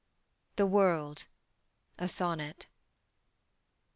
THE WORLD. SONNET.